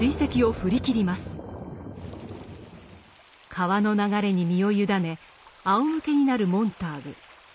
川の流れに身を委ねあおむけになるモンターグ。